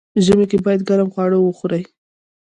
ژمی کی باید ګرم خواړه وخوري.